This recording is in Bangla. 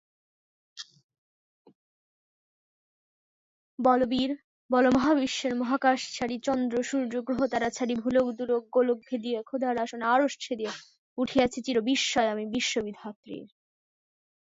ম্যাকস্লারো রাজনৈতিক অঙ্গনে অসংখ্য পদ অলংকৃত করেছেন।